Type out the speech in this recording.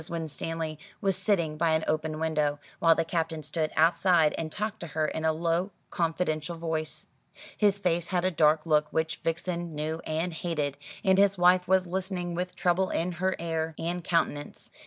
Winstanley was sitting by an open window, while the Captain stood outside and talked to her in a low confidential voice. His face had a dark look which Vixen knew and hated, and his wife was listening with trouble in her air and countenance.